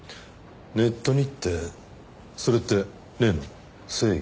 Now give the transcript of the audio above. ネットにってそれって例の正義の使徒。